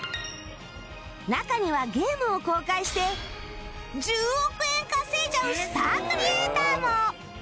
中にはゲームを公開して１０億円稼いじゃうスタークリエイターも！